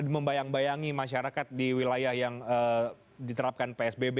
membayang bayangi masyarakat di wilayah yang diterapkan psbb